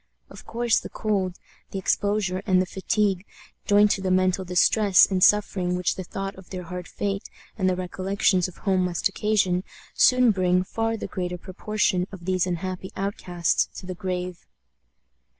Of course, the cold, the exposure, and the fatigue, joined to the mental distress and suffering which the thought of their hard fate and the recollections of home must occasion, soon bring far the greater proportion of these unhappy outcasts to the grave.